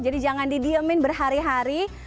jadi jangan didiemin berhari hari